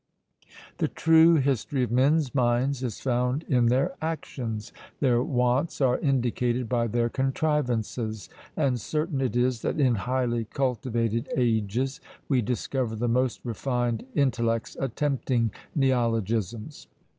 The true history of men's minds is found in their actions; their wants are indicated by their contrivances; and certain it is that in highly cultivated ages we discover the most refined intellects attempting NEOLOGISMS.